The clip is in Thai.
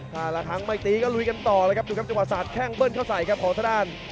ถ้าละครั้งไม่ตีก็ลุยกันต่อเลยครับดูครับจังหวะสาดแข้งเบิ้ลเข้าใส่ครับของทางด้าน